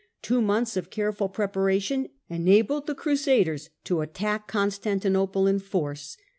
Two months of Second careful preparation enabled the Crusaders to attack CaTure Constantinople in force.